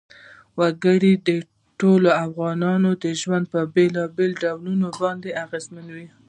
وګړي د ټولو افغانانو ژوند په بېلابېلو ډولونو باندې اغېزمنوي.